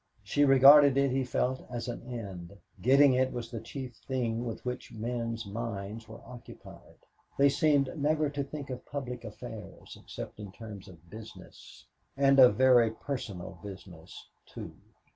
She regarded it, he felt, as an end. Getting it was the chief thing with which men's minds were occupied. They seemed never to think of public affairs except in terms of business, and of very personal business, too.